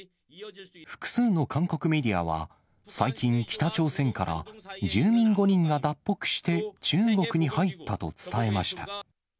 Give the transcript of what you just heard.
複数の韓国メディアは、最近、北朝鮮から住民５人が脱北して中国に入ったと伝えました。